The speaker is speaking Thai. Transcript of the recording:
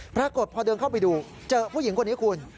ปรากฏพอเดินเข้าไปดูเจอผู้หญิงคนนี้คุณ